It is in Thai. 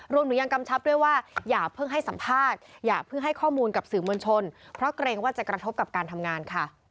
รวมถึงยังกำชับด้วยว่าอย่าเพิ่งให้สัมภาษณ์อย่าเพิ่งให้ข้อมูลกับสื่อมวลชนเพราะเกรงว่าจะกระทบกับการทำงานค่ะ